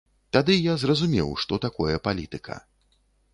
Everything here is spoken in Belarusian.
Тады я зразумеў, што такое палітыка.